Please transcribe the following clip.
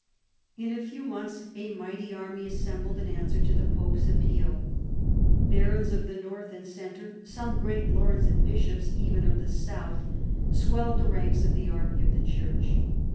In a few months a mighty army assembled in answer to the pope's appeal. Barons of the north and centre, some great lords and bishops even of the south, swelled the ranks of the army of the Church.